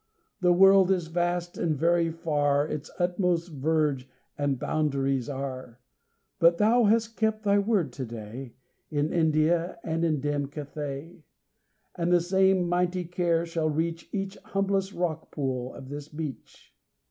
The world is vast, and very far Its utmost verge and boundaries are; But thou hast kept thy word to day In India and in dim Cathay, And the same mighty care shall reach Each humblest rock pool of this beach.